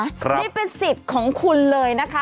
นี่เป็นสิทธิ์ของคุณเลยนะคะ